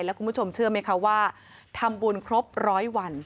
แล้วคุณผู้ชมเชื่อไหมคะว่าทำบุญครบร้อยวัน